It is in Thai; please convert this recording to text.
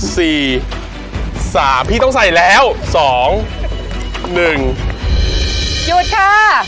สามพี่ต้องใส่แล้วสองหนึ่งหยุดค่ะ